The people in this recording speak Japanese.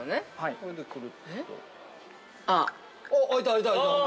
◆あっ、開いた開いた。